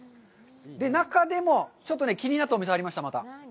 で、中でもちょっと気になったお店がありました、また。